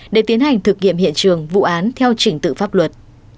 để tiến hành thực nghiệm hiện trường vụ án theo trình tự pháp luật